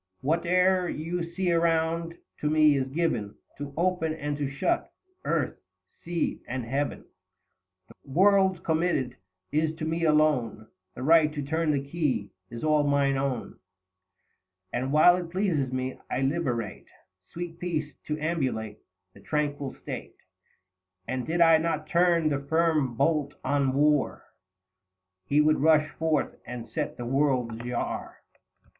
Whate'er you see around to me is given 125 To open and to shut, Earth, Sea, and Heaven ; The world committed is to me alone, The right to turn the key is all mine own ; And while it pleases me, I liberate Sweet Peace to ambulate the tranquil state, 130 And did I not turn the firm bolt on War He would rush forth and set the world ajar.